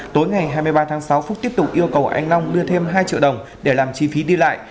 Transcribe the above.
tối ngày hai mươi ba tháng sáu phúc tiếp tục yêu cầu anh long đưa thêm hai triệu đồng để làm chi phí đi lại